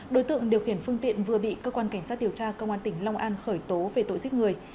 đối tượng điều khiển phương tiện vừa bị cơ quan cảnh sát điều tra công an tỉnh long an khởi tố về tội giết người